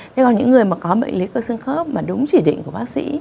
thế còn những người mà có bệnh lý cơ xương khớp mà đúng chỉ định của bác sĩ